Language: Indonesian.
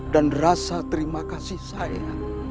dan rasa terima kasih saya